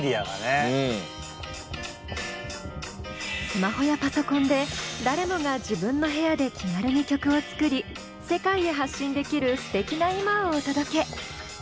スマホやパソコンで誰もが自分の部屋で気軽に曲を作り世界へ発信できるすてきな今をお届け！